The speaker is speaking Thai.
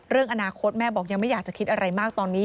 เรื่องอนาคตแม่บอกยังไม่อยากจะคิดอะไรมากตอนนี้